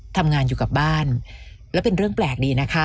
ทำงานอยู่กับบ้านแล้วเป็นเรื่องแปลกดีนะคะ